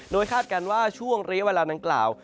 โดยคาดการณ์ว่าช่วงเรียกเวลาดังกล่าว